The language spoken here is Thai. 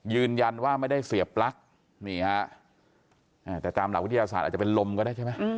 ยืนยันว่าไม่ได้เสียปลั๊กนี่ฮะแต่ตามหลักวิทยาศาสตร์อาจจะเป็นลมก็ได้ใช่ไหม